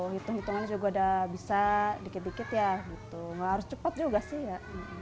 hitung hitungannya juga udah bisa dikit dikit ya gitu nggak harus cepat juga sih ya